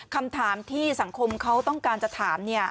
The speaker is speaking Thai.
คำถามที่สังคมเขาต้องการจะถาม